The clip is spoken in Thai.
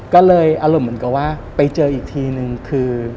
ก็เลยอารมณ์เหมือนกับว่าไปเจออีกทีนึงคือ